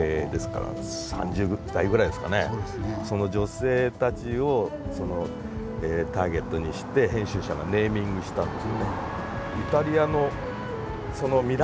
その女性たちをターゲットにして編集者がネーミングしたんですね。